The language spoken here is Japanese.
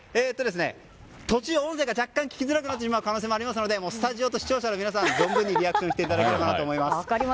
途中、音声が若干聞きづらくなってしまう可能性もありますのでスタジオと視聴者の皆さんにも存分にリアクションしていただければと思います。